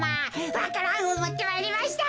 わか蘭をもってまいりました。